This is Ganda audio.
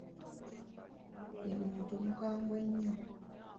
Ye muntu omukambwe ennyo.